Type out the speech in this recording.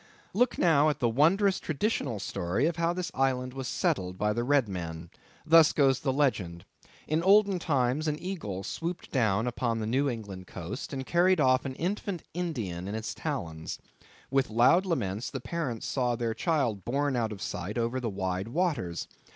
Look now at the wondrous traditional story of how this island was settled by the red men. Thus goes the legend. In olden times an eagle swooped down upon the New England coast, and carried off an infant Indian in his talons. With loud lament the parents saw their child borne out of sight over the wide waters.